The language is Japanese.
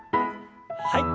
はい。